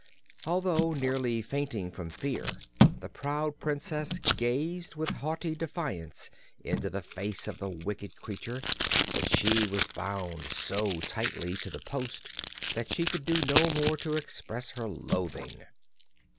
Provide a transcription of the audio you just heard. Although nearly fainting from fear, the proud Princess gazed with haughty defiance into the face of the wicked creature; but she was bound so tightly to the post that she could do no more to express her loathing.